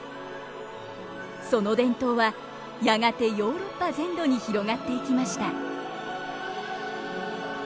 その伝統はやがてヨーロッパ全土に広がっていきました。